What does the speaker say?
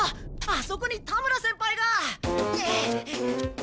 あそこに田村先輩が！